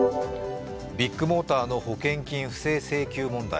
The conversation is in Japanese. ビッグモーターの保険金不正請求問題。